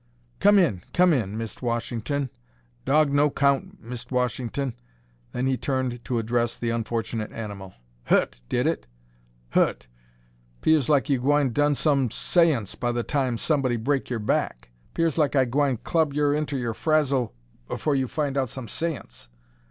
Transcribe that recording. "Come in, come in, Mist' Wash'ton. Dawg no 'count, Mist' Wash'ton." Then he turned to address the unfortunate animal. "Hu't, did it? Hu't? 'Pears like you gwine dun some saince by time somebody brek yer back. 'Pears like I gwine club yer inter er frazzle 'fore you fin' out some saince.